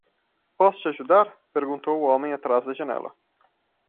"Posso te ajudar?" perguntou o homem atrás da janela.